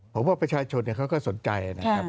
ผมว่าประชาชนเขาก็สนใจนะครับ